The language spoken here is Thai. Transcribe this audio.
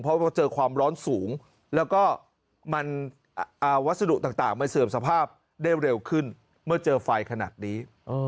เพราะเราเจอความร้อนสูงแล้วก็มันวัสดุต่างมันเสื่อมสภาพได้เร็วขึ้นเมื่อเจอไฟขนาดนี้